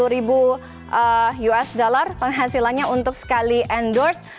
tiga ratus tujuh puluh ribu usd penghasilannya untuk sekali endorse